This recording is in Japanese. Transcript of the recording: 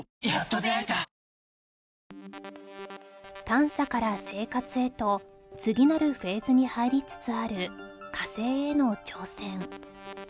探査から生活へと次なるフェーズに入りつつある火星への挑戦